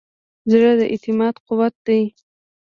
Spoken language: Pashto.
زړه د اعتماد قوت دی.